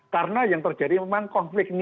karena yang terjadi memang korelasinya